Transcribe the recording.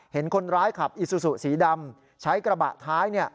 เห็นคนร้ายขับอิซูซูสีดำใช้กระบะท้าย